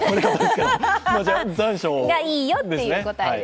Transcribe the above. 残暑がいいよという答えです。